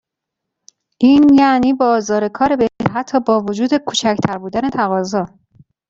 این یعنی بازار کار بهتر حتی با وجود کوچکتر بودن تقاضا.